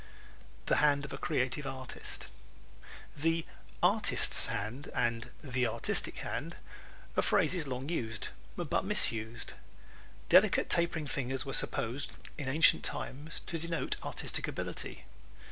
The Hand of the Creative Artist ¶ "The artist's hand" and "the artistic hand" are phrases long used but misused. Delicate tapering fingers were supposed in ancient times to denote artistic ability.